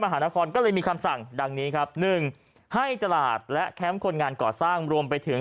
หานครก็เลยมีคำสั่งดังนี้ครับ๑ให้ตลาดและแคมป์คนงานก่อสร้างรวมไปถึง